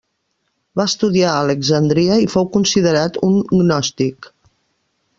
Va estudiar a Alexandria i fou considerat un gnòstic.